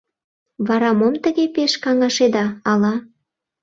Вара мом тыге пеш каҥашеда, ала?